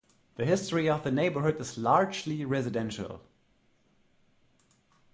The history of the neighborhood is largely residential.